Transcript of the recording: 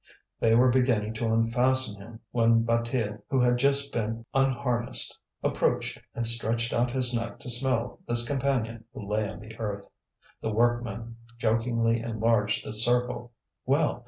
They were beginning to unfasten him when Bataille, who had just been unharnessed, approached and stretched out his neck to smell this companion who lay on the earth. The workmen jokingly enlarged the circle. Well!